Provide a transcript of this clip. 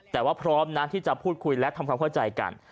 แต่ว่าพร้อมนะที่จะพูดคุยและทำความเข้าใจกัน